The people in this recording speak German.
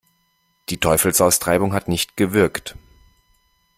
Die Teufelsaustreibung hat nicht gewirkt.